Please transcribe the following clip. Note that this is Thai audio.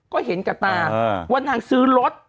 ก็เห็นกับตาว่านางซื้อรถ